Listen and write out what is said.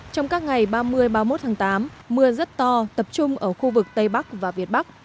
trong các ngày ba mươi ba mươi một tháng tám mưa rất to tập trung ở khu vực tây bắc và việt bắc